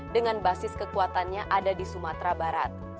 dengan basis kekuatannya ada di sumatera barat